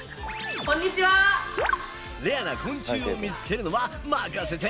レアな昆虫を見つけるのは任せて！